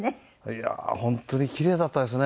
いや本当にキレイだったですね。